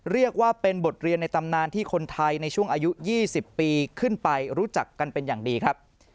เรียกว่าเป็นบทเรียนในตำนานที่คนไทยในช่วงอายุ๒๐ปีขึ้นไปรู้จักกันเป็นอย่างดีครับ